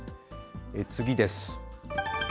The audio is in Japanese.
次です。